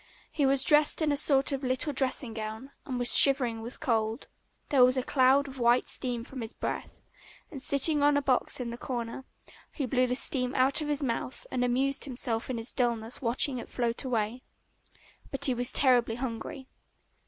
He was dressed in a sort of little dressing gown and was shivering with cold. There was a cloud of white steam from his breath, and sitting on a box in the corner, he blew the steam out of his mouth and amused himself in his dullness watching it float away. But he was terribly hungry.